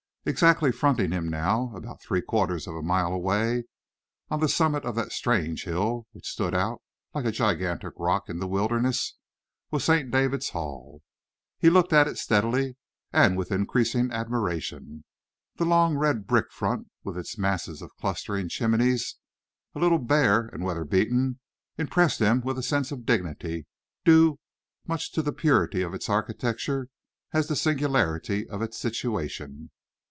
Exactly fronting him now, about three quarters of a mile away, on the summit of that strange hill which stood out like a gigantic rock in the wilderness, was St. David's Hall. He looked at it steadily and with increasing admiration. Its long, red brick front with its masses of clustering chimneys, a little bare and weather beaten, impressed him with a sense of dignity due as much to the purity of its architecture as the singularity of its situation.